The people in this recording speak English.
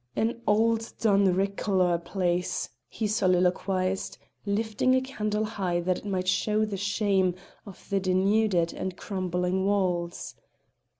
"An auld done rickle o' a place!" he soliloquised, lifting a candle high that it might show the shame of the denuded and crumbling walls.